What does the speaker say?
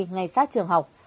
ngay sát trường học